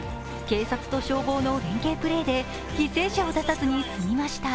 警察と消防の連係プレーで犠牲者を出さずにすみました。